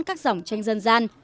các dòng tranh dân gian